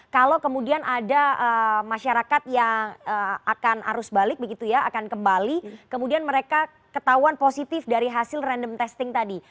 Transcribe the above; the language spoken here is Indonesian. kalau kemudian ada masyarakat yang akan arus balik begitu ya akan kembali kemudian mereka ketahuan positif dari hasil random testing tadi